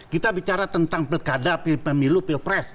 kita bicara tentang pilkada pemilu pilpres